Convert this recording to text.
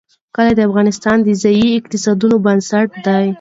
کلي د افغانستان د ځایي اقتصادونو بنسټ دی.